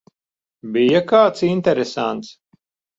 Bija kāds interesants?